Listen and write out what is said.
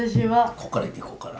こっからいけこっから。